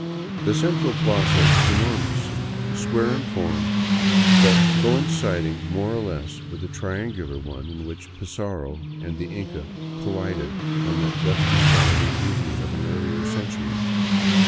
The central plaza is enormous, square in form, but coinciding more or less with the triangular one in which Pizarro and the Inca collided on that dusty Saturday evening of an earlier century.